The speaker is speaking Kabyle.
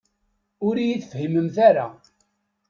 Ur iyi-tefhimemt ara.